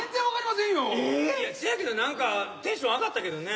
せやけどなんかテンション上がったけどね。